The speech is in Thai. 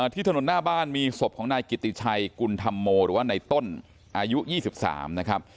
ที่ถนนหน้าบ้านมีศพของนายกิติชัยกุลธรรมโมหรือว่าในต้นอายุ๒๓นะครับ